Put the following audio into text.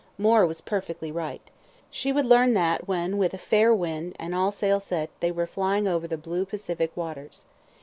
Moore was perfectly right. She would learn that when with a fair wind, and all sail set, they were flying over the blue Pacific waters.